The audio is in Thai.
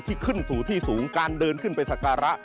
ขึ้นสู่ที่สูงการเดินขึ้นไปสักการะ